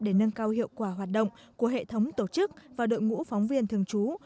để nâng cao hiệu quả hoạt động của hệ thống tổ chức và đội ngũ phóng viên thường trú